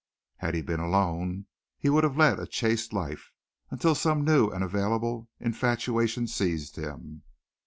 Had he been alone, he would have led a chaste life until some new and available infatuation seized him.